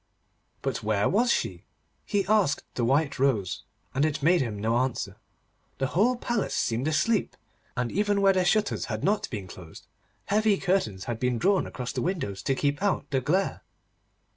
But where was she? He asked the white rose, and it made him no answer. The whole palace seemed asleep, and even where the shutters had not been closed, heavy curtains had been drawn across the windows to keep out the glare.